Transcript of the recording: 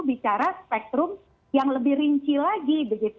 bicara spektrum yang lebih rinci lagi begitu